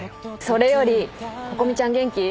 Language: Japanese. それより心美ちゃん元気？